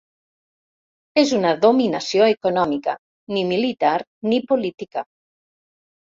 És una dominació econòmica, ni militar, ni política.